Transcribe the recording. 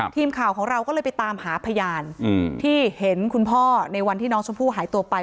ทีมข่าวของเราก็เลยไปตามหาพยานที่เห็นคุณพ่อในวันที่น้องชมพู่หายตัวไป